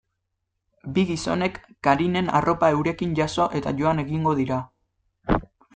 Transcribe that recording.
Bi gizonek Karinen arropa eurekin jaso eta joan egingo dira.